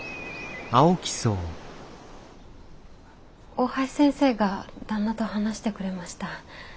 大橋先生が旦那と話してくれました。